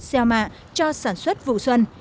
gieo mạ cho sản xuất vụ xuân